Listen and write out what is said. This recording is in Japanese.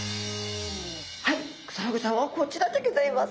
はいクサフグちゃんはこちらでギョざいます。